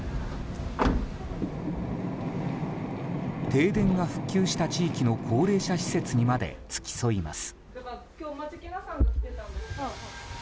停電が復旧した地域の高齢者施設にまで付き添います。